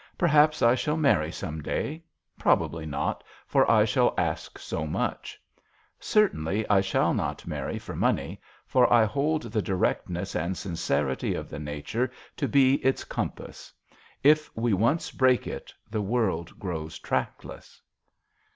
Perhaps I shall marry some day. Probably not, for I shall ask so much. Cer tainly I shall not marry for money, for I hold the directness and sincerity of the nature to be its compass. If we once break it the world grows trackless."